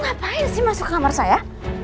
kamu ngapain sih masuk ke kamar saya